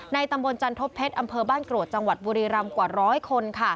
ตำบลจันทบเพชรอำเภอบ้านกรวดจังหวัดบุรีรำกว่าร้อยคน